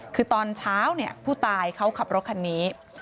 คือตอนเช้าผู้ตายเขาขับรถคันนี้